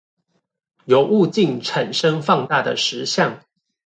由物鏡產生放大的實像